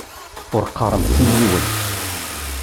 Ur qqaṛemt i yiwen.